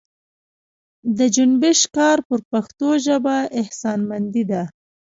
د جنبش کار پر پښتو ژبه احسانمندي ده.